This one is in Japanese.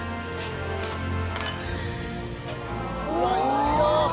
うわいい色。